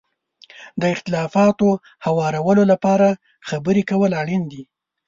د اختلافاتو هوارولو لپاره خبرې کول اړین دي.